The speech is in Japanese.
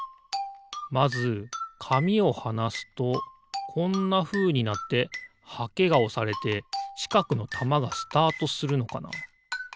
まずかみをはなすとこんなふうになってはけがおされてちかくのたまがスタートするのかな？